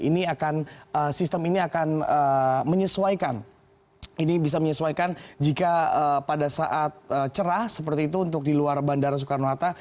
ini akan menyesuaikan jika pada saat cerah seperti itu untuk di luar bandara soekarno hatta